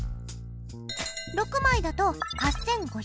６枚だと８５００円。